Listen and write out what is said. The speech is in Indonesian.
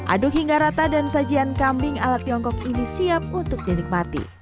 aduk hingga rata dan sajian kambing ala tiongkok ini siap untuk dinikmati